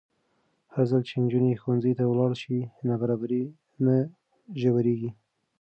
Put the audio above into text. هرځل چې نجونې ښوونځي ته ولاړې شي، نابرابري نه ژورېږي.